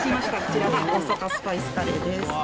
こちらが大阪スパイスカレーです。